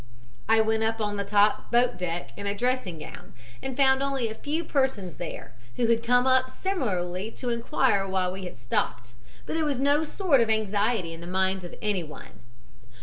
"I went up on the top (boat) deck in a dressing gown, and found only a few persons there, who had come up similarly to inquire why we had stopped, but there was no sort of anxiety in the minds of anyone.